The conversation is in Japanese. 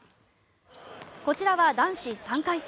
こちらは男子３回戦。